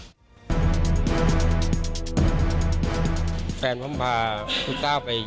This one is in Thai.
ตอนความจำเป็นว่าชีวิตก็จะมีสนุกมาก